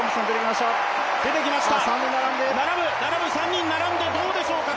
３人並んで、どうでしょうか。